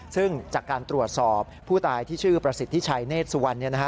ซึ่งจากการตรวจสอบผู้ตายที่ชื่อประสิทธิชัยเนธสุวรรณ